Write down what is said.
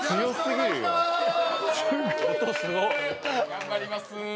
頑張ります。